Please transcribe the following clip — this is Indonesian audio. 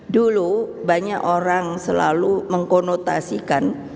dulu banyak orang selalu mengkonotasikan